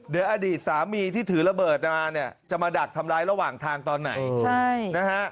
เดี๋ยวอดีตสามีที่ถือระเบิดมาเนี่ยจะมาดักทำร้ายระหว่างทางตอนไหนใช่นะฮะ